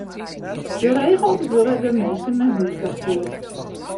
Geregeld wurde der minsken nei hûs ta stjoerd.